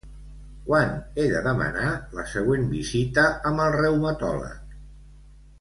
Quan he de demanar la següent visita amb el reumatòleg?